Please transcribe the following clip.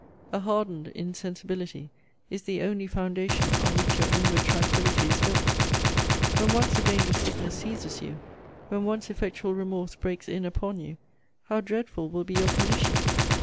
A hardened insensibility is the only foundation on which your inward tranquillity is built. When once a dangerous sickness seizes you; when once effectual remorse breaks in upon you; how dreadful will be your condition!